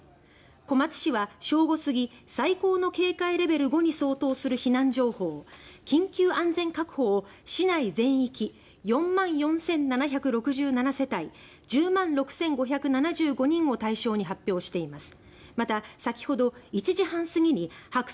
小松市は正午過ぎ最高の警戒レベル５に相当する避難情報「緊急安全確保」を市内全域４万４７６７世帯１０万６５７５人を対象に発表しています。